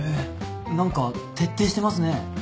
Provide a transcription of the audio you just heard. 何か徹底してますね。